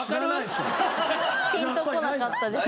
ピンとこなかったですね。